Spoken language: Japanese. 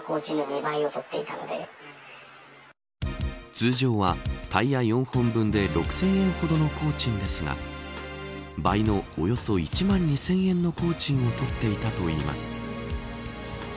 通常はタイヤ４本分で６０００円ほどの工賃ですが倍のおよそ１万２０００円の工賃を取っていたといいます。